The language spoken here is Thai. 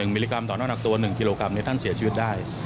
มิลลิกรัมต่อนอกหนักตัว๑กิโลกรัมท่านเสียชีวิตได้